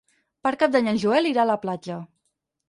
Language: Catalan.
Per Cap d'Any en Joel irà a la platja.